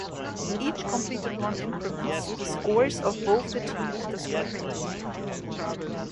Each completed run increments the scores of both the team and the striker.